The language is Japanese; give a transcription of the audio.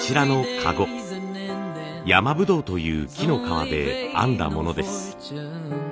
山ぶどうという木の皮で編んだものです。